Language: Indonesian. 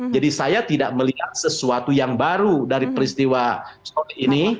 jadi saya tidak melihat sesuatu yang baru dari peristiwa soal ini